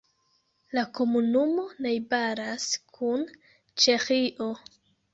La komunumo najbaras kun Ĉeĥio.